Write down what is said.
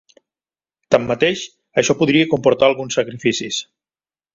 Tanmateix, això podria comportar alguns sacrificis.